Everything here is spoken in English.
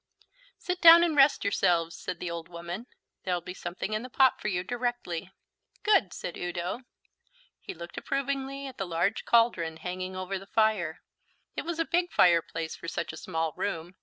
"Sit down and rest yourselves," said the old woman. "There'll be something in the pot for you directly." "Good," said Udo. He looked approvingly at the large cauldron hanging over the fire. It was a big fireplace for such a small room.